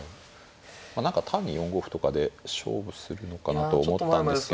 まあ単に４五歩とかで勝負するのかなと思ったんですけど。